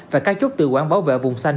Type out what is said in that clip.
và các chốt tự quản bảo vệ vùng xanh